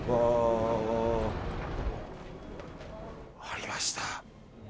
ありました。